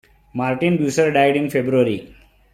Martin Bucer died in February.